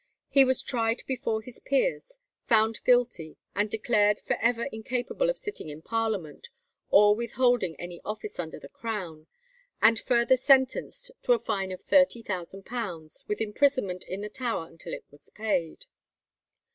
He was tried before his peers, found guilty, and declared for ever incapable of sitting in Parliament, or of holding any office under the Crown; and further sentenced to a fine of £30,000 with imprisonment in the Tower until it was paid.